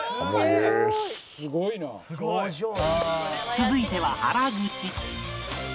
続いては原口